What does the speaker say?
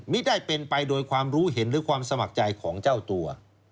ไม่ได้เป็นไปโดยความรู้เห็นหรือความสมัครใจของเจ้าตัว